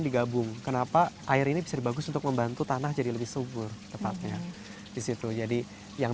digabung kenapa air ini bisa bagus untuk membantu tanah jadi lebih subur tepatnya disitu jadi yang